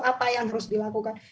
apa yang harus dilakukan